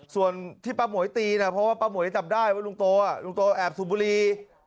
ส่วนที่ป้าหมวยตีนะเพราะว่าป้าหมวยจับได้ว่าลุงโตลุงโตแอบสูบบุรี